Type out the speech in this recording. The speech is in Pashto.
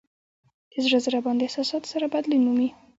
د زړه ضربان د احساساتو سره بدلون مومي.